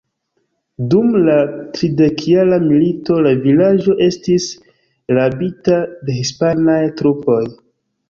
Dum la Tridekjara Milito la vilaĝo estis rabita de hispanaj trupoj.